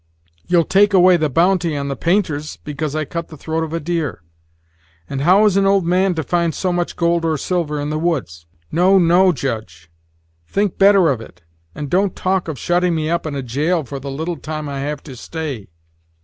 you'll take away the bounty on the painters, because I cut the throat of a deer; and how is an old man to find so much gold or silver in the woods? No, no, Judge; think better of it, and don't talk of shutting me up in a jail for the little time I have to stay."